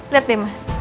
liat deh ma